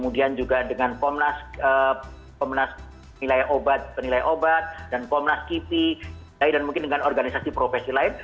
dengan komnas penilai obat dan komnas kipi dan mungkin dengan organisasi profesi lain